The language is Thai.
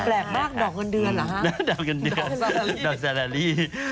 แปลกมากดอกเงินเดือนเหรอฮะดอกสาลาลี